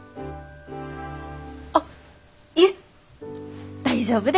あっいえ大丈夫です。